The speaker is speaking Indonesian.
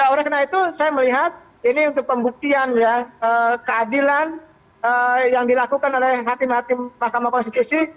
oleh karena itu saya melihat ini untuk pembuktian ya keadilan yang dilakukan oleh hakim hakim mahkamah konstitusi